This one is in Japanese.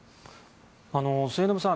末延さん